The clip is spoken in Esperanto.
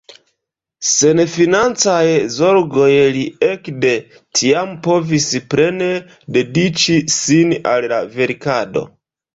Sen financaj zorgoj li ekde tiam povis plene dediĉi sin al la verkado.